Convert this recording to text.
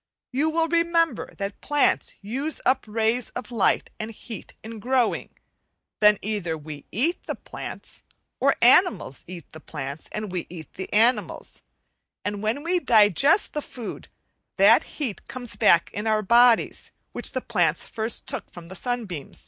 You will remember that plants use up rays of light and heat in growing; then either we eat the plants, or animals eat the plants and we eat the animals; and when we digest the food, that heat comes back in our bodies, which the plants first took from the sunbeam.